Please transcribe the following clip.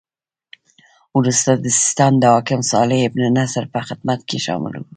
وروسته د سیستان د حاکم صالح بن نصر په خدمت کې شامل شو.